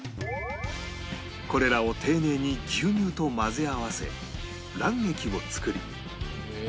これらを丁寧に牛乳と混ぜ合わせ卵液を作り